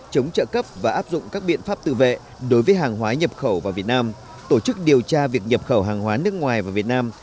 chống trợ cấp và áp dụng các biện pháp tự vệ đối với hàng hóa nhập khẩu vào việt nam tổ chức điều tra việc nhập khẩu hàng hóa nước ngoài vào việt nam